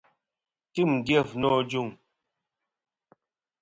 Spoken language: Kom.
Tim dyef nô ajuŋ.